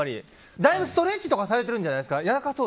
だいぶストレッチとかされてるんじゃないですか？